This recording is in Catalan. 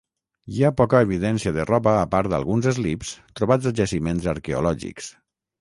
Hi ha poca evidència de roba a part d'alguns eslips trobats a jaciments arqueològics.